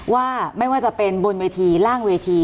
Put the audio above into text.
ว่าไม่ว่าจะเป็นบนเวทีล่างเวที